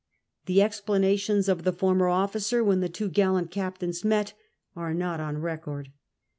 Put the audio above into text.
The explanations of the former officer, when the two gallant captains met, are not on recoi d.